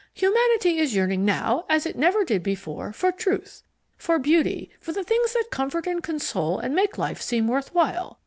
Humanity is yearning now as it never did before for truth, for beauty, for the things that comfort and console and make life seem worth while.